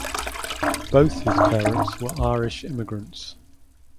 Both his parents were Irish immigrants.